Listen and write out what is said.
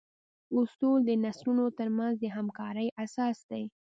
اصول د نسلونو تر منځ د همکارۍ اساس دي.